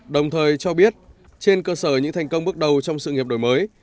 đồng thời cho biết trên cơ sở những thành công bước đầu trong sự nghiệp đổi mới